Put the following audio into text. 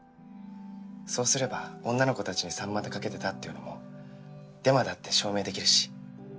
そうすれば女の子たちに３股かけてたっていうのもデマだって証明できるし。